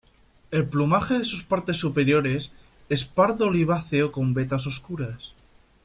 El plumaje de sus partes superiores es pardo oliváceo con vetas oscuras.